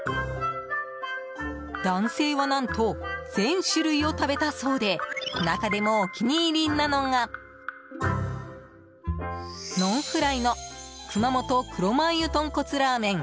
男性は何と全種類を食べたそうで中でもお気に入りなのがノンフライの熊本黒マー油とんこつラーメン